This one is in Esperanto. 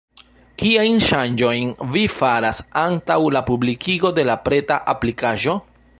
Kiajn ŝanĝojn vi faras antaŭ la publikigo de la preta aplikaĵo?